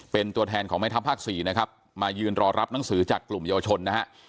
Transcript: เป็นตัวแทนของแม่ทัพภาคสี่นะครับมายืนรอรับหนังสือจากกลุ่มเยาวชนนะฮะ